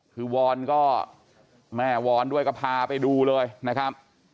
คือวอนก็แม่วอนด้วยก็พาไปดูเลยนะครับ